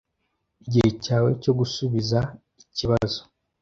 Igihe cyawe cyo gusubiza ikibazo.